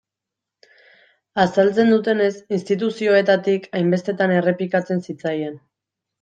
Azaltzen dutenez, instituzioetatik hainbestetan errepikatzen zitzaien.